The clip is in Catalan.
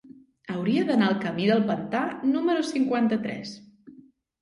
Hauria d'anar al camí del Pantà número cinquanta-tres.